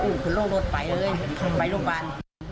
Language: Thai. อู๋ควรโรงลดไปเลยหมายลูกบาน